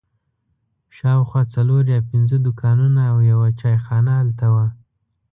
شاوخوا څلور یا پنځه دوکانونه او یوه چای خانه هلته وه.